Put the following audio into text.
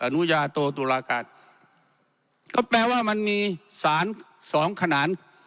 นุญาโตตุลาการก็แปลว่ามันมีสารสองขนาด